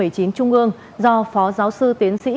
trung ương do phó giáo sư tiến sĩ